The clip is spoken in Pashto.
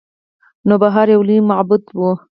نوبهار یو لوی معبد و